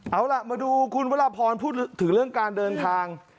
เอาล่ะมาดูคุณวรพรพูดถึงเรื่องการเดินทาง